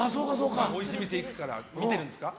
おいしい店行くから見てるんですか？